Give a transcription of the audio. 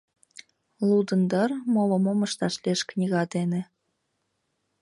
Лудын дыр, моло мом ышташ лиеш книга дене.